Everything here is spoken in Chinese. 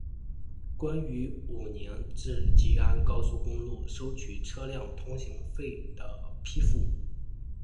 关于武宁至吉安高速公路收取车辆通行费的批复